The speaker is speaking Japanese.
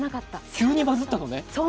急にバズったのね。